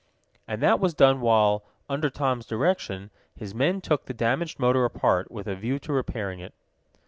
And that was done while, under Tom's direction, his men took the damaged motor apart, with a view to repairing it.